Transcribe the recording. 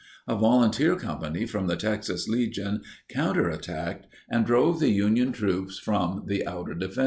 A volunteer company from the Texas Legion counterattacked and drove the Union troops from the outer defenses.